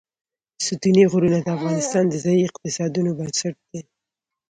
ستوني غرونه د افغانستان د ځایي اقتصادونو بنسټ دی.